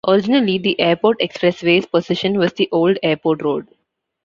Originally, the Airport Expressway's position was the old airport road.